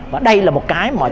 và đây là một cái mà chúng ta